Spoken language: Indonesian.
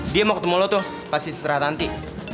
dia mau ketemu lo tuh pasti seterah nanti